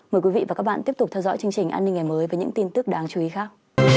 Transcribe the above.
mời quý vị và các bạn tiếp tục theo dõi chương trình an ninh ngày mới với những tin tức đáng chú ý khác